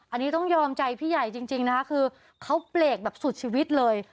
อันนี้ต้องยอมใจพี่ใหญ่จริงนะคะคือเขาเบรกแบบสุดชีวิตเลย